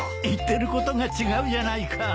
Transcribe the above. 言ってることが違うじゃないか。